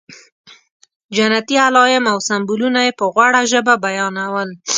جنتي علایم او سمبولونه یې په غوړه ژبه بیانول.